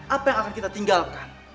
apa yang akan kita tinggalkan